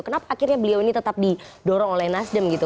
kenapa akhirnya beliau ini tetap didorong oleh nasdem gitu